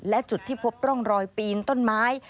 และจุดที่พบร่องรอยปีนต้นไม้